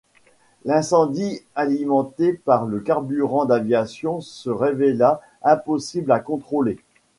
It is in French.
L'incendie alimenté par le carburant d'aviation se révéla impossible à contrôler.